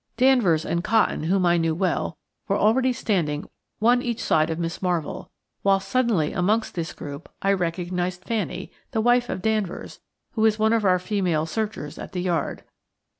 Danvers and Cotton, whom I knew well, were already standing one each side of Miss Marvell, whilst suddenly amongst this group I recognised Fanny, the wife of Danvers, who is one of our female searchers at the yard.